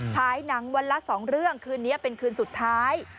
ฉายหนังวันละ๒เรื่องคืนนี้เป็นคืนสุดท้าย